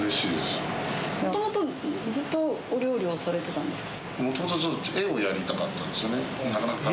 もともとずっとお料理をされてたんですか？